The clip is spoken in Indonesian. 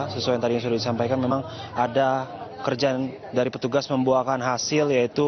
sesuai yang tadi sudah disampaikan memang ada kerjaan dari petugas membuahkan hasil yaitu